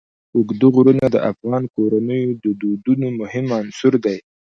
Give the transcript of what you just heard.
اوږده غرونه د افغان کورنیو د دودونو مهم عنصر دی.